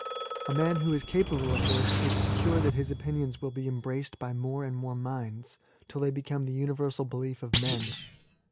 A man who is capable of this is secure that his opinions will be embraced by more and more minds, till they become the universal belief of men.